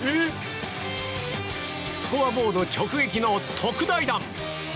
スコアボード直撃の特大弾！